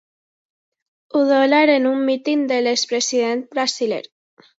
Udolar en un míting de l'ex president brasiler.